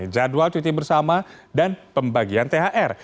jadwal cuti bersama dan pembagian thr